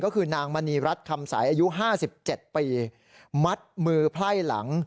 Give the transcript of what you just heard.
ก็คือนางมณีรัฐคำสายอายุห้าสิบเจ็ดปีมัดมือไพร่หลัง